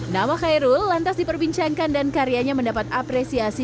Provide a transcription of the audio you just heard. nama khairul lantas diperbincangkan dan karyanya mendapat apresiasi